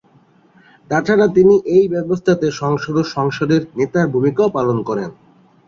তাছাড়া তিনি এই ব্যবস্থাতে সংসদ বা সংসদের নেতার ভূমিকাও পালন করেন।